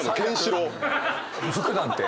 服なんて。